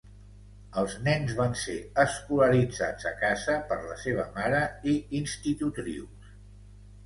Els nens van ser escolaritzats a casa per la seva mare i institutrius.